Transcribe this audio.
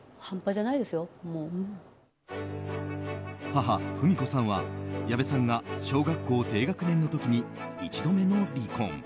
母・文子さんは矢部さんが小学校低学年の時に１度目の離婚。